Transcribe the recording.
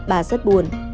bà rất buồn